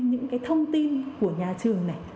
những thông tin của trường học